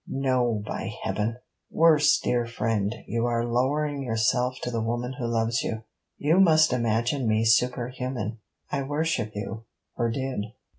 'No, by heaven!' 'Worse, dear friend; you are lowering yourself to the woman who loves you.' 'You must imagine me superhuman.' 'I worship you or did.'